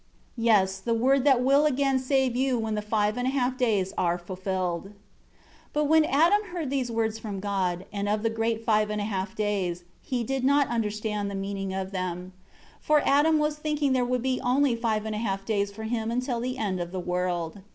2 Yes, the Word that will again save you when the five and a half days are fulfilled." 3 But when Adam heard these words from God, and of the great five and a half days, he did not understand the meaning of them. 4 For Adam was thinking there would be only five and a half days for him until the end of the world.